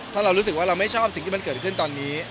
ถ้าเรารู้สึกว่าเราไม่ชอบสิ่งที่มันเกิดขึ้นตอนนี้